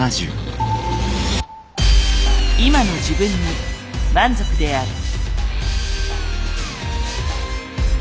今の自分に満足である。